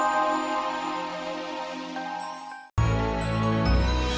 untuk ayahku scrindas tissues namanya sprinx